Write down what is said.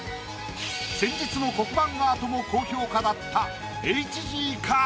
先日の黒板アートも高評価だったＨＧか？